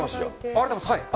ありがとうございます。